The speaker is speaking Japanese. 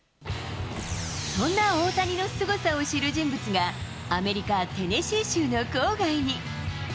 そんな大谷のすごさを知る人物が、アメリカ・テネシー州の郊外に。